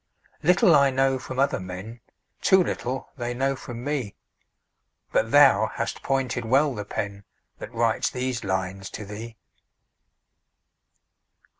Little I know from other men, Too little they know from me, But thou hast pointed well the pen That writes these lines to thee.